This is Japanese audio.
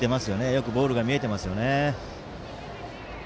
よくボールが見えていますね。